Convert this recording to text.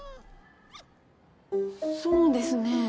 そうですね